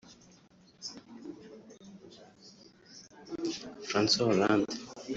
François Hollande